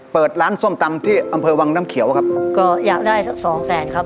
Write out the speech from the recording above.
เปิดร้านส้มตำที่อำเภอวังน้ำเขียวครับก็อยากได้สักสองแสนครับ